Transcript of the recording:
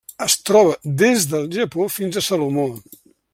Es troba des del Japó fins a Salomó.